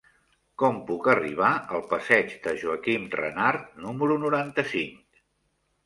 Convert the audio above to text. Com puc arribar al passeig de Joaquim Renart número noranta-cinc?